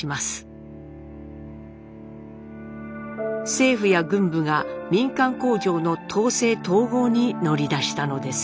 政府や軍部が民間工場の統制統合に乗り出したのです。